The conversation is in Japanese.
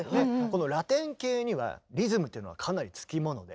このラテン系にはリズムというのはかなり付き物で。